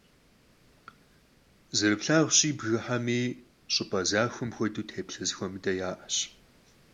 Zerıplhağuşi, bgıxemi, ş'ıp'e zaxuem xuedeu, têplhe zexuemıde ya'eş.